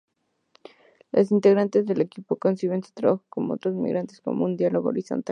Las integrantes del equipo conciben su trabajo con otros migrantes como un diálogo horizontal.